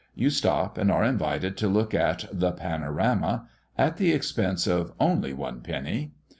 You stop, and are invited to look at "the panorama" at the expense of "only one penny."